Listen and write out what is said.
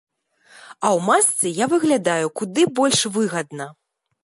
А ў масцы я выглядаю куды больш выгадна.